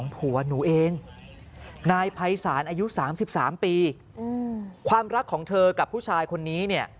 ๓ปีความรักของเธอกับผู้ชายคนนี้เนี่ย